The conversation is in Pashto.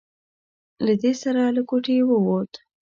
له دې سره له کوټې ووت.